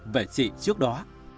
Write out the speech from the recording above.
về chị trước đó